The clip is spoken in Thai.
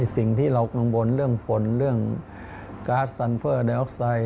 สิ่งที่เรากังวลเรื่องฝนเรื่องการ์ดซันเฟอร์ไดออกไซด